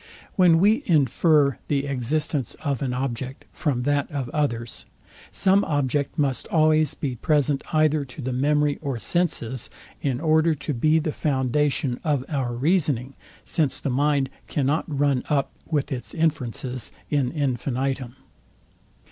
When we infer the existence of an object from that of others, some object must always be present either to the memory or senses, in order to be the foundation of our reasoning; since the mind cannot run up with its inferences IN INFINITUM.